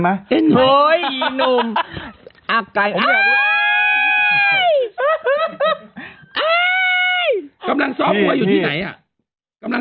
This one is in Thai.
ไม่คิดอยากจะบอกอะไรแล้วใช่ไหมฮะ